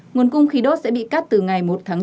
nguồn cung khí đốt sẽ bị cắt từ ngày một tháng bốn